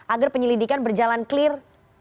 agar penyelidikan berjalan clear